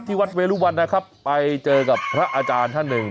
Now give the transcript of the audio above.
วัดเวรุวันนะครับไปเจอกับพระอาจารย์ท่านหนึ่ง